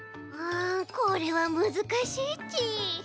これはむずかしいち。